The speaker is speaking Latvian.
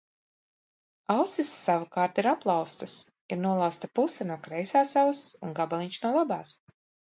Ausis savukārt ir aplauztas — ir nolauzta puse no kreisās auss un gabaliņš no labās.